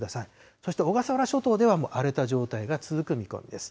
そして小笠原諸島ではもう荒れた状態が続く見込みです。